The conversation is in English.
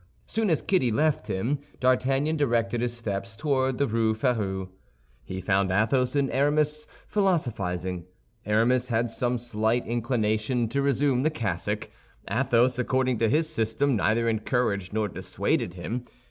Soon as Kitty left him, D'Artagnan directed his steps toward the Rue Férou. He found Athos and Aramis philosophizing. Aramis had some slight inclination to resume the cassock. Athos, according to his system, neither encouraged nor dissuaded him.